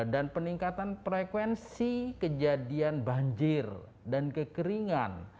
dan peningkatan frekuensi kejadian banjir dan kekeringan